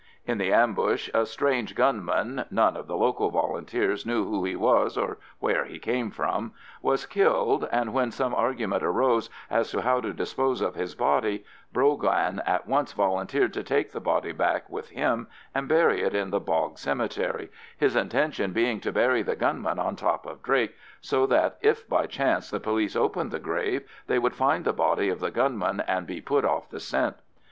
In the ambush a strange gunman—none of the local Volunteers knew who he was or where he came from—was killed, and when some argument arose as to how to dispose of his body, Brogan at once volunteered to take the body back with him and bury it in the bog cemetery, his intention being to bury the gunman on top of Drake, so that if by chance the police opened the grave they would find the body of the gunman and be put off the scent.